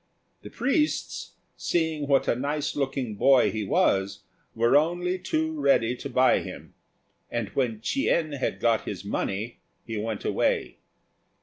The priests, seeing what a nice looking boy he was, were only too ready to buy him; and when Ch'ien had got his money he went away.